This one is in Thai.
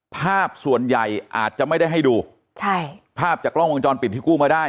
ภาพส่วนใหญ่อาจจะไม่ได้ให้ดูใช่ภาพจากกล้องวงจรปิดที่กู้มาได้